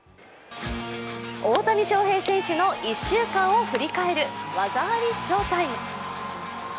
大谷翔平選手の１週間を振り返る「技ありＳＨＯＷ−ＴＩＭＥ」。